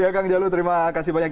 ya kang jalu terima kasih banyak